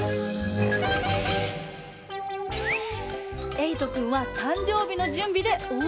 えいとくんはたんじょうびのじゅんびでおおいそがし！